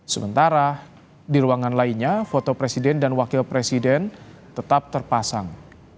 sementara di ruangan lainnya foto presiden dan wakil presiden tetap terpasang